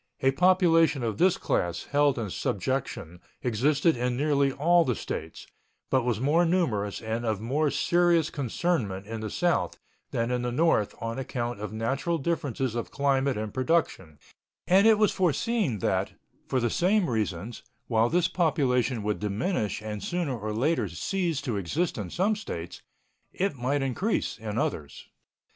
A population of this class, held in subjection, existed in nearly all the States, but was more numerous and of more serious concernment in the South than in the North on account of natural differences of climate and production; and it was foreseen that, for the same reasons, while this population would diminish and sooner or later cease to exist in some States, it might increase in others.